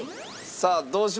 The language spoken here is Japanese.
さあどうします？